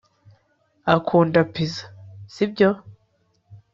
ukunda pizza, sibyo